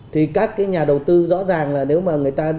thì các cái nhà đầu tư rõ ràng là nếu mà người ta